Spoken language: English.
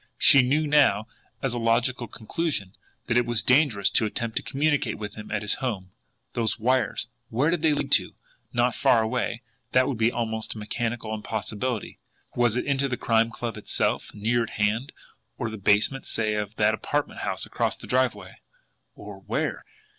She knew now, as a logical conclusion, that it was dangerous to attempt to communicate with him at his home. Those wires! Where did they lead to? Not far away that would be almost a mechanical impossibility. Was it into the Crime Club itself near at hand? Or the basement, say, of that apartment house across the driveway? Or where?